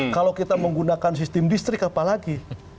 kalau kita menggunakan sistem distrik apa lagi